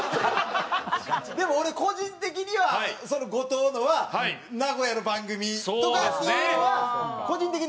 でも俺個人的には後藤のは名古屋の番組とかっていうのは個人的には知ってるから。